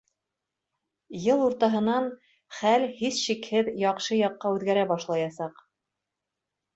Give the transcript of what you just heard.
Йыл уртаһынан хәл һис шикһеҙ яҡшы яҡҡа үҙгәрә башлаясаҡ.